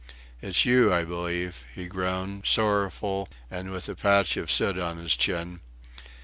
"It's you, I believe," he groaned, sorrowful and with a patch of soot on his chin.